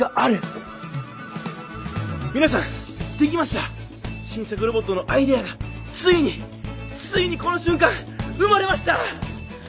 皆さんできました新作ロボットのアイデアがついについにこの瞬間生まれました！